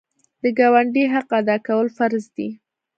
د ګاونډي حق ادا کول فرض دي.